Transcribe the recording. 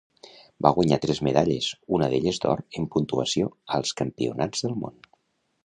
Va guanyar tres medalles, una d'elles d'or en puntuació, als Campionats del Món.